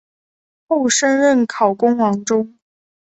后升任考功郎中。